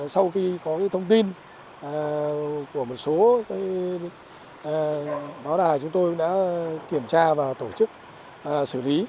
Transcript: sau khi có thông tin của một số báo đài chúng tôi đã kiểm tra và tổ chức xử lý